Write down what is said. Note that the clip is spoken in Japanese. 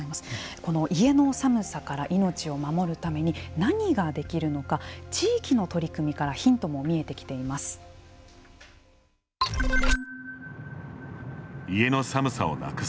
この家の寒さから命を守るために何ができるのか地域の取り組みからヒントも見えてきています。